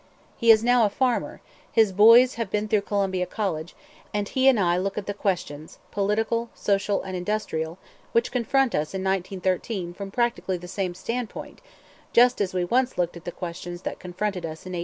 He is now a farmer, his boys have been through Columbia College, and he and I look at the questions, political, social, and industrial, which confront us in 1913 from practically the same standpoint, just as we once looked at the questions that confronted us in 1881.